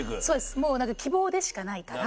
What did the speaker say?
もう希望でしかないから。